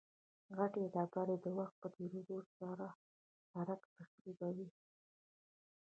غټې ډبرې د وخت په تېرېدو سره سرک تخریبوي